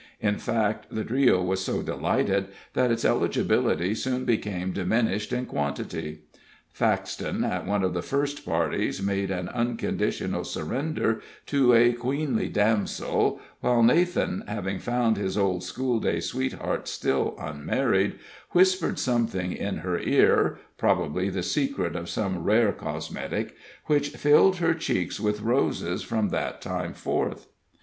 In fact, the trio was so delighted, that its eligibility soon became diminished in quantity. Faxton, at one of the first parties, made an unconditional surrender to a queenly damsel, while Nathan, having found his old schoolday sweetheart still unmarried, whispered something in her ear (probably the secret of some rare cosmetic), which filled her cheeks with roses from that time forth.